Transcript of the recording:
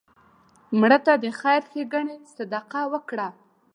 مړه ته د خیر ښیګڼې صدقه وکړه